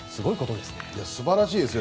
すばらしいですよ。